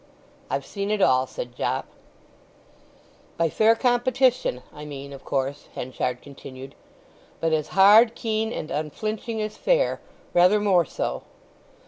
"I've seen it all," said Jopp. "By fair competition I mean, of course," Henchard continued. "But as hard, keen, and unflinching as fair—rather more so.